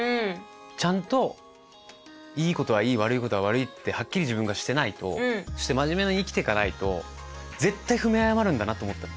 ちゃんといいことはいい悪いことは悪いってはっきり自分がしてないとそして真面目に生きていかないと絶対踏みあやまるんだなと思ったの。